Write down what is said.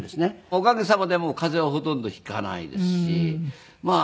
おかげさまで風邪はほとんど引かないですしまあ